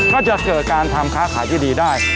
ก็จะเกิดการทำค้าขายที่ดีได้